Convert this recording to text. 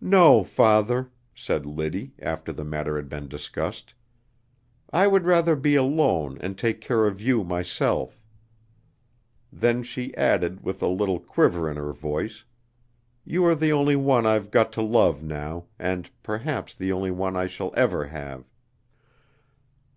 "No, father," said Liddy, after the matter had been discussed, "I would rather be alone and take care of you myself." Then she added, with a little quiver in her voice: "You are the only one I've got to love now and perhaps the only one I shall ever have."